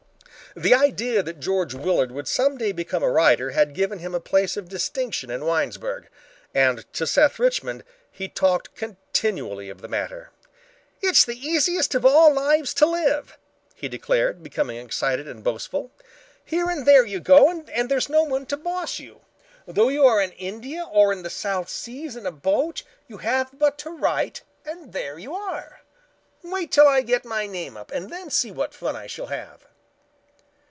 The idea that George Willard would some day become a writer had given him a place of distinction in Winesburg, and to Seth Richmond he talked continually of the matter, "It's the easiest of all lives to live," he declared, becoming excited and boastful. "Here and there you go and there is no one to boss you. Though you are in India or in the South Seas in a boat, you have but to write and there you are. Wait till I get my name up and then see what fun I shall have."